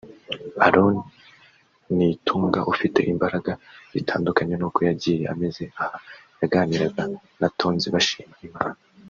Aaron Nitunga ufite imbaraga bitandukanye n'uko yagiye ameze aha yaganiraga na Tonzi bashima Imana